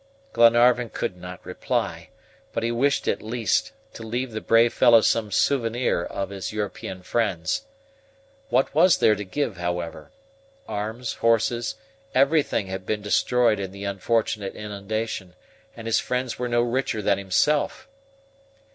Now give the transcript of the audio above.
Glenarvan could not reply; but he wished at least, to leave the brave fellow some souvenir of his European friends. What was there to give, however? Arms, horses, everything had been destroyed in the unfortunate inundation, and his friends were no richer than himself.